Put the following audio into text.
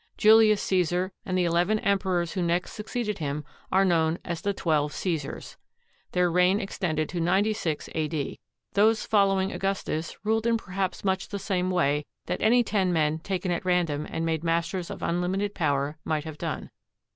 Julius Caesar and the eleven emperors who next succeeded him are known as the Twelve Caesars. Their reign extended to 96 a.d. Those following Augustus ruled in perhaps much the same way that any ten men taken at random and made masters of unlimited power might have done.